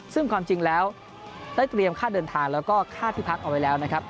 ซึ่งความจริงแล้วได้เตรียมค่าเดินทางแล้วก็ค่าที่พักเอาไว้แล้วนะครับ